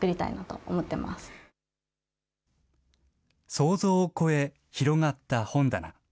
想像を超え、広がった本棚。